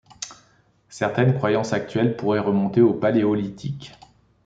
Certaines croyances actuelles pourraient remonter au Paléolithique.